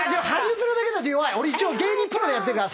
俺一応芸人プロでやってるから。